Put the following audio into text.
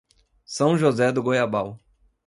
São José do Goiabal